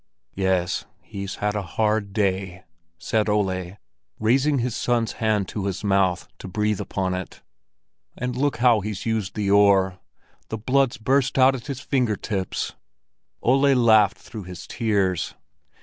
"Yes, he's had a hard day," said Ole, raising his son's hand to his mouth to breathe upon it. "And look how he's used the oar! The blood's burst out at his finger tips!" Ole laughed through his tears.